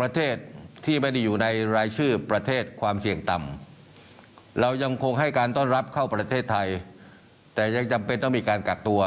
ประเทศไทยแต่ยังจำเป็นต้องมีการกักตัว